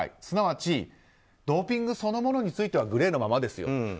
すなわちドーピングそのものについてはグレーのままですよと。